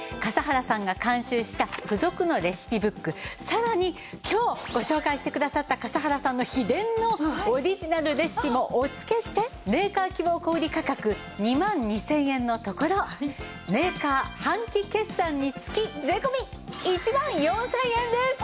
さらに今日ご紹介してくださった笠原さんの秘伝のオリジナルレシピもお付けしてメーカー希望小売価格２万２０００円のところメーカー半期決算につき税込１万４０００円です。